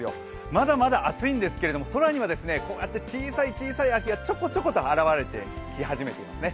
まだまだ暑いんですけども空にはこうやって小さい小さい秋がちょこちょこと現れてき始めてるんですね。